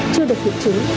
chưa được hiện chứng